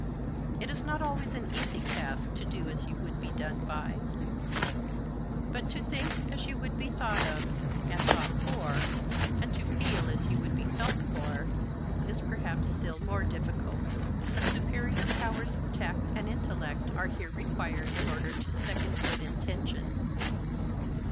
It is not always an easy task to do as you would be done by; but to think as you would be thought of and thought for, and to feel as you would be felt for, is perhaps still more difficult, as superior powers of tact and intellect are here required in order to second good intentions.